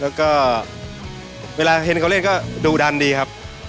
แล้วก็เวลาเห็นเขาเล่นก็ดูดันดีครับ